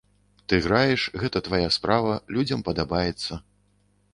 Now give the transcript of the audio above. Ты граеш, гэта твая справа, людзям падабаецца.